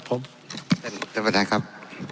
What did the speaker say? ผมท่านประธานครับ